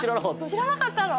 しらなかったの？